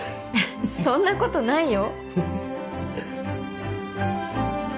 そんな事ないよ。